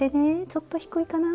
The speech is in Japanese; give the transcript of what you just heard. ちょっと低いかな？